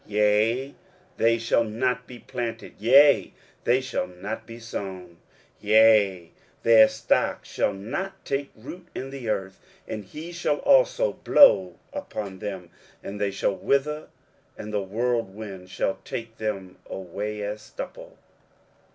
23:040:024 Yea, they shall not be planted; yea, they shall not be sown: yea, their stock shall not take root in the earth: and he shall also blow upon them, and they shall wither, and the whirlwind shall take them away as stubble.